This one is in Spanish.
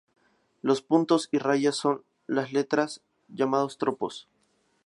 Los puntos y rayas sobre las letras son llamados tropos.